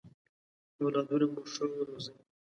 اولادونه مو ښه ورزوی!